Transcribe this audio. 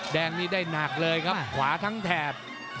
แดงนี้ได้หนักเลยครับขวาทั้งแถบ